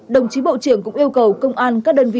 đồng chí bộ trưởng cũng yêu cầu công an các đơn vị